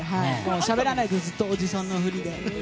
しゃべらないでずっと、おじさんのふりで。